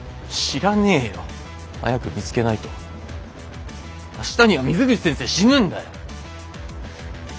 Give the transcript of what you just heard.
知らねえよ！早く見つけないと明日には水口先生死ぬんだよ！